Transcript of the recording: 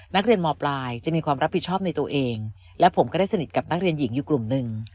นักเรียนมปลายจะมีความรับผิดชอบในตัวเองและผมก็ได้สนิทกับนักเรียนหญิงอยู่กลุ่มหนึ่ง